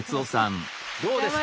どうですか？